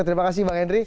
terima kasih bang hendry